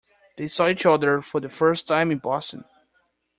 They saw each other for the first time in Boston.